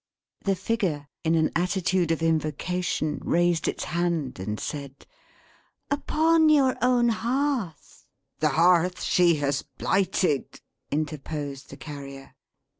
The Figure, in an attitude of invocation, raised its hand and said: "Upon your own hearth" "The hearth she has blighted," interposed the Carrier.